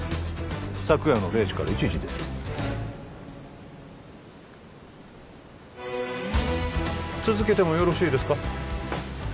昨夜の０時から１時です続けてもよろしいですか？